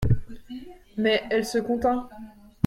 Mais elle se contint.